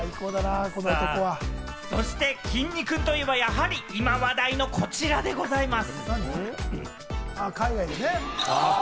そして、きんに君といえば、やっぱり今話題のこちらでございます。